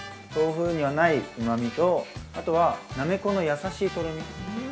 豆腐にはないうまみと、あとは、なめこの優しいとろみ。